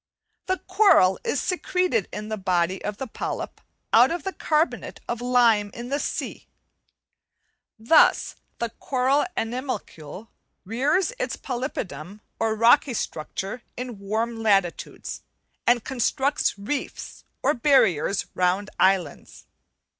The coral is secreted in the body of the polyp out of the carbonate of lime in the sea. Thus the coral animalcule rears its polypidom or rocky structure in warm latitudes, and constructs reefs or barriers round islands.